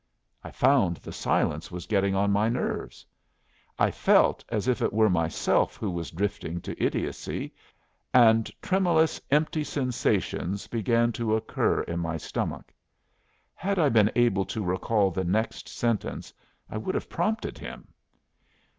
I found the silence was getting on my nerves. I felt as if it were myself who was drifting to idiocy, and tremulous empty sensations began to occur in my stomach. Had I been able to recall the next sentence, I should have prompted him.